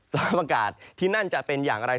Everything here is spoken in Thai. สวัสดีประกาศที่นั่นจะเป็นอย่างไร